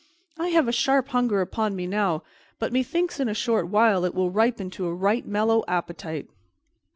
I have a sharp hunger upon me now, but methinks in a short while it will ripen to a right mellow appetite."